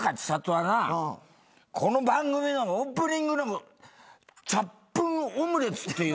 はなこの番組のオープニングの「チャップン・オムレツ」っていうね。